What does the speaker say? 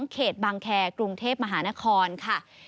เขตบางแคร์กรุงเทพมหานครค่ะ